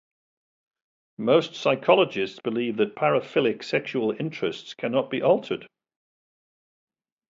Most psychologists believe that paraphilic sexual interests cannot be altered.